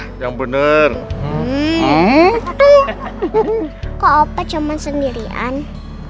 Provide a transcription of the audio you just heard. aku tidak mungkin memikat pasta gapapa di sini